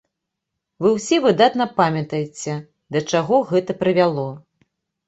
Вы ўсе выдатна памятаеце, да чаго гэта прывяло.